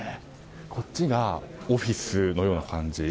こっちがオフィスのような感じ。